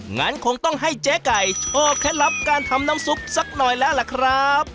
งั้นคงต้องให้เจ๊ไก่โชว์เคล็ดลับการทำน้ำซุปสักหน่อยแล้วล่ะครับ